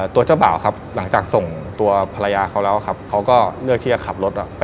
ตัวเจ้าบ่าวครับหลังจากส่งตัวภรรยาเขาแล้วครับ